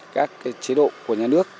các cái chế độ của nhà nước